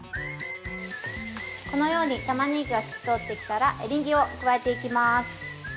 ◆このようにタマネギが透き通ってきたらエリンギを加えていきます。